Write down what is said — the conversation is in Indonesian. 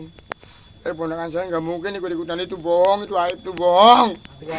eh pemerintah saya nggak mungkin nih gue dikutangin itu bohong itu aib itu bohong